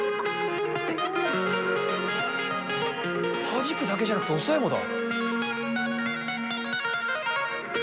はじくだけじゃなくて押さえもだ。